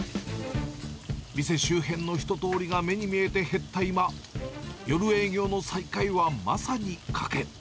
店周辺の人通りが目に見えて減った今、夜営業の再開はまさに賭け。